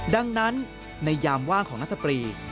ดังนั้นในยามว่างของนักตรี